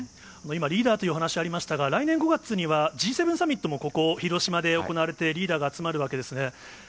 今、リーダーというお話ありましたが、来年５月には、Ｇ７サミットもここ、広島で行われて、リーダーが集まるわけですね。